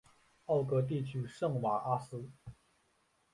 奥格地区圣瓦阿斯。